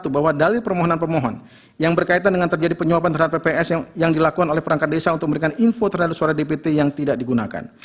bahwa dalil permohonan pemohon yang berkaitan dengan terjadi penyuapan terhadap pps yang dilakukan oleh perangkat desa untuk memberikan info terhadap suara dpt yang tidak digunakan